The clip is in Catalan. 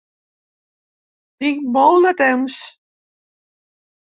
Tinc molt de temps.